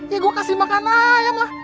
ya gue kasih makan ayam lah